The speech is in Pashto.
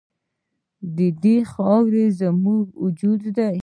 د دې خاوره زموږ وجود دی؟